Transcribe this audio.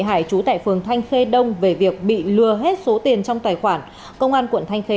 hải trú tại phường thanh khê đông về việc bị lừa hết số tiền trong tài khoản công an quận thanh khê